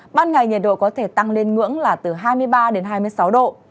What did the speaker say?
ban ngày nhiệt độ có thể tăng lên ngưỡng là từ hai mươi ba đến hai mươi sáu độ